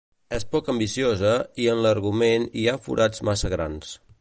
És poc ambiciosa i en l'argument hi ha forats massa grans.